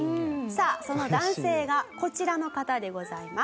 さあその男性がこちらの方でございます。